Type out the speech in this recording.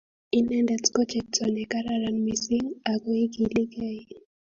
inendet ko chepto ne kararan mising, ako ikilikei.